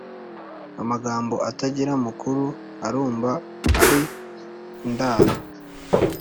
Amagambo atagira mukuru arumba ari indaro.